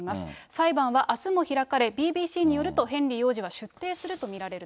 裁判はあすも開かれ、ＢＢＣによるとヘンリー王子が出廷すると見られると。